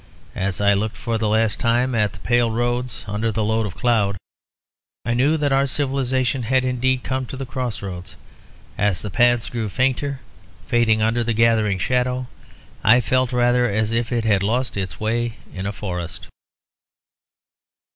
As I looked for the last time at the pale roads under the load of cloud, I knew that our civilisation had indeed come to the cross roads. As the paths grew fainter, fading under the gathering shadow, I felt rather as if it had lost its way in a forest.